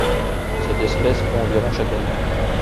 Cette espèce pond environ chaque année.